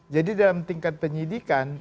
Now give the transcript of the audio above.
jadi dalam tingkat penyelidikan